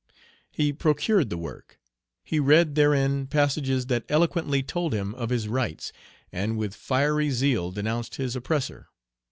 He procured the work. He read therein passages that eloquently told him of his rights, and with fiery zeal denounced his oppressor.